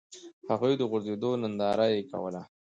د هغوی د غورځېدو ننداره یې کوله.